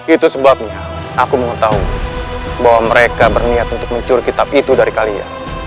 itu sebabnya aku mau tahu bahwa mereka berniat untuk mencurigit itu dari kalian